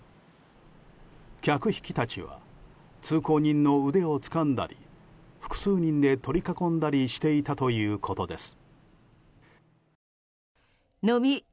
客引きたちは通行人の腕をつかんだり複数人で取り囲んだりしていたということです。